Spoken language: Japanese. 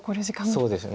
そうですね。